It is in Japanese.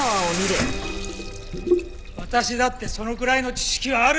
私だってそのくらいの知識はある！